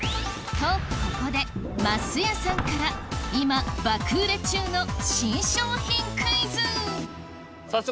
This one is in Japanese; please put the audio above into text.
とここでますやさんから今爆売れ中の新商品クイズ！